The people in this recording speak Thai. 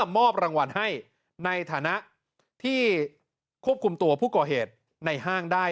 มอบรางวัลให้ในฐานะที่ควบคุมตัวผู้ก่อเหตุในห้างได้